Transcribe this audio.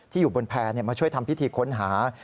อยู่บนแพร่มาช่วยทำพิธีค้นหา